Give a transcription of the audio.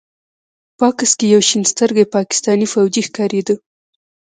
په عکس کښې يو شين سترګى پاکستاني فوجي ښکارېده.